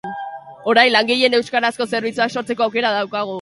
Orain langileen euskarazko zerbitzuak sortzeko aukera daukagu.